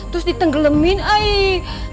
terus ditenggelemin aih